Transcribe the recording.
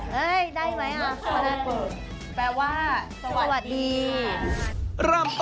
เฮ้ยได้ไหมอ่ะแปลว่าสวัสดีค่ะสวัสดี